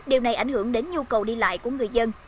điều này ảnh hưởng đến nhu cầu đi lại của người dân